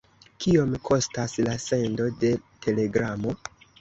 Kiom kostas la sendo de telegramo?